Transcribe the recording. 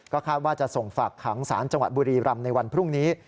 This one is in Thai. คาดว่าจะส่งฝากขังสารจังหวัดบุรีรำในวันพรุ่งนี้